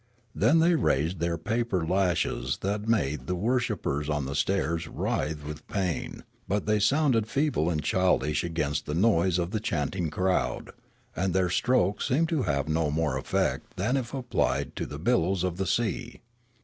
Then they raised their paper lashes that had made the wor shippers on the stairs writhe with pain ; but they sounded feeble and childish against the noise of the chanting crowd ; and their strokes seemed to have no more effect than if applied to the billows of the sea.